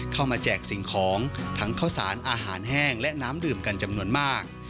แจกสิ่งของทั้งข้าวสารอาหารแห้งและน้ำดื่มกันจำนวนมาก